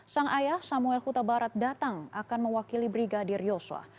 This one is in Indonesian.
sang ayah samuel huta barat datang akan mewakili brigadir yosua